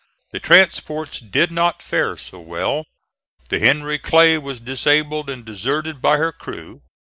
The transports did not fare so well. The Henry Clay was disabled and deserted by her crew.